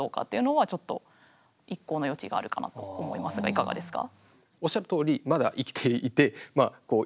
いかがですか？